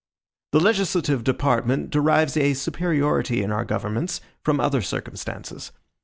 The legislative department derives a superiority in our governments from other circumstances.